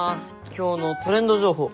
今日のトレンド情報。